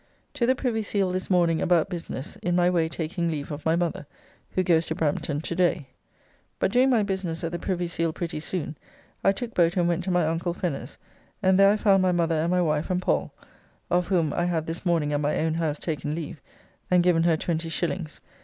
To the Privy Seal this morning about business, in my way taking leave of my mother, who goes to Brampton to day. But doing my business at the Privy Seal pretty soon, I took boat and went to my uncle Fenner's, and there I found my mother and my wife and Pall (of whom I had this morning at my own house taken leave, and given her 20s.